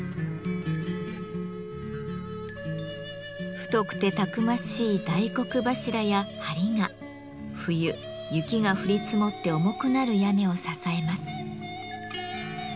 太くてたくましい大黒柱や梁が冬雪が降り積もって重くなる屋根を支えます。